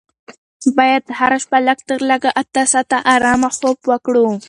باید هره شپه لږ تر لږه اته ساعته ارامه خوب وکړو.